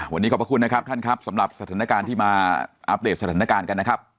วันนี้ขอบพระคุณนะครับท่านครับสำหรับสถานการณ์ที่มาอัปเดตสถานการณ์กันนะครับ